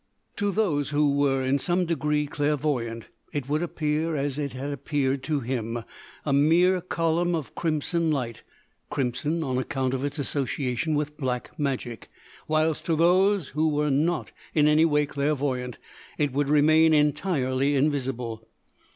To those who were in some degree clairvoyant it would appear as it had appeared to him, a mere column of crimson light (crimson on account of its association with Black Magic); whilst to those who were not in any way clairvoyant it would remain entirely invisible.